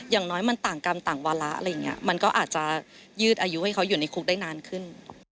อย่างน้อยมันต่างกรรมต่างวาระอะไรอย่างนี้มันก็อาจจะยืดอายุให้เขาอยู่ในคุกได้นานขึ้น